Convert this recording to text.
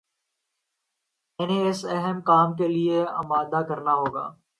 انہیں اس اہم کام کے لیے آمادہ کرنا ہو گا